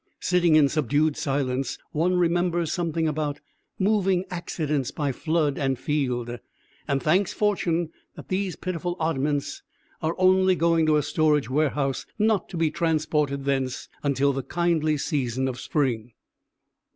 Sitting in subdued silence, one remembers something about "moving accidents by flood and field," and thanks fortune that these pitiful oddments are only going to a storage warehouse, not to be transported thence until the kindly season of spring.